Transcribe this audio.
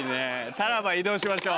タラバ移動しましょう。